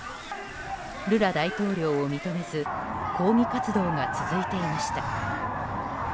ルラ大統領を認めず抗議活動が続いていました。